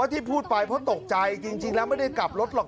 ที่พูดไปเพราะตกใจจริงแล้วไม่ได้กลับรถหรอก